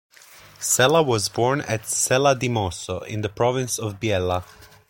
Sella was born at Sella di Mosso, in the Province of Biella.